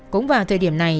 cũng vào thời điểm này